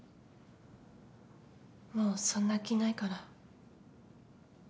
もうそんな気ないから。